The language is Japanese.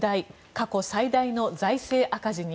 過去最大の財政赤字に。